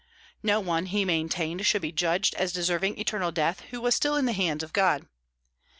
No one, he maintained, should be judged as deserving eternal death who was still in the hands of God.